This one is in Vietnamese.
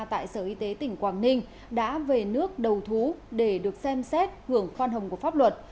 công ty aic là đối tượng liên quan đến sai phạm trong vụ án xảy ra tại tp bắc ninh đã về nước đầu thú để được xem xét hưởng khoan hồng của pháp luật